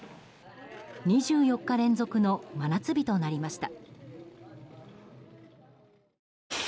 ２４日連続の真夏日となりました。